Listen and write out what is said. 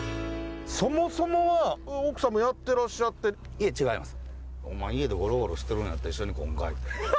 いえ違います。